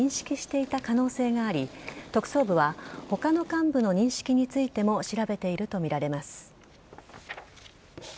谷口容疑者は資金提供の違法性を認識していた可能性があり特捜部は他の幹部の認識についても調べているとみられます。